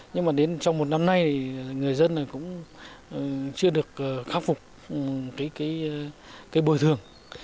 nhưng mà đến trong một năm nay thì người dân cũng chưa được khắc phục cái bồi thường